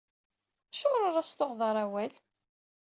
Acuɣer ur as-tuɣeḍ ara awal?